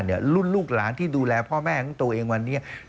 รุ่นลูกหลานที่ดูแลพ่อแม่ของตัวเองวันนี้